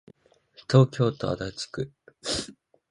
東京都足立区